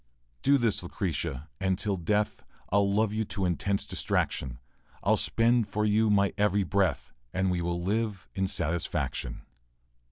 Do this, Lucretia, and till death I'll love you to intense distraction; I'll spend for you my every breath, And we will live in satisfaction.